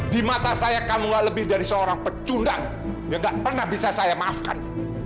di mata saya kamu gak lebih dari seorang pecundang yang gak pernah bisa saya maafkan